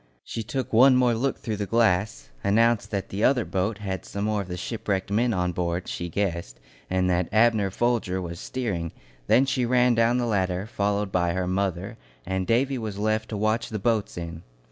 She took one more look through the glass, announced that the other boat had some more of the shipwrecked men on board, she guessed, and that Abner Folger was steering; then she ran down the ladder, followed by her mother, and Davy was left to watch the boats in.